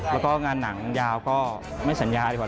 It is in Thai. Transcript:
แล้วก็งานหนังยาวก็ไม่สัญญาดีกว่า